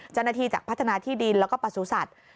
เจ้าหน้าที่จากพัฒนาที่ดินแล้วก็ประสุสัตว์